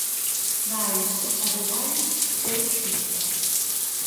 Mais... ademais, é inxusta.